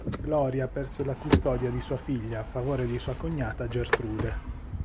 Gloria perse la custodia di sua figlia a favore di sua cognata Gertrude.